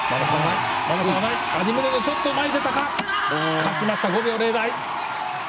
勝ちました、５秒０台。